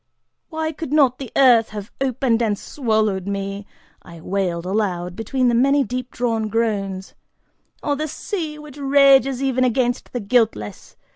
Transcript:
"Why could not the earth have opened and swallowed me," I wailed aloud, between the many deep drawn groans, "or the sea, which rages even against the guiltless?